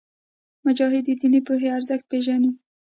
مجاهد د دیني پوهې ارزښت پېژني.